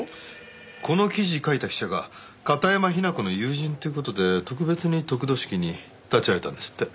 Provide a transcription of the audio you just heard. この記事書いた記者が片山雛子の友人っていう事で特別に得度式に立ち会えたんですって。